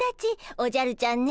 おじゃるちゃんね